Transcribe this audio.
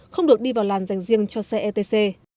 không được đi vào làn dành riêng cho xe etc